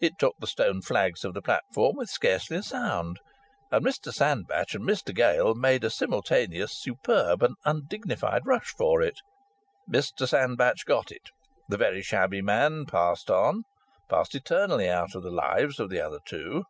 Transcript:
It took the stone flags of the platform with scarcely a sound, and Mr Sandbach and Mr Gale made a simultaneous, superb and undignified rush for it. Mr Sandbach got it. The very shabby man passed on, passed eternally out of the lives of the other two.